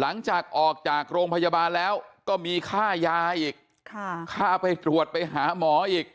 หลังจากออกจากโรงพยาบาลแล้วก็มีค่ายาอีกค่าไปตรวจไปหาหมออีก